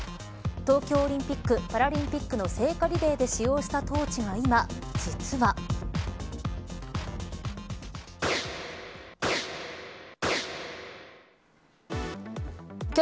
東京オリンピック・パラリンピックの聖火リレーで使用したトーチが実は今。